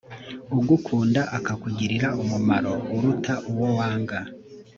ugukunda akakugirira umumaro uruta uwo wanga